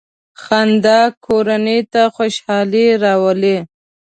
• خندا کورنۍ ته خوشحالي راولي.